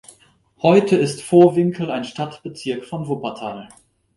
Heute ist Vohwinkel ein Stadtbezirk von Wuppertal.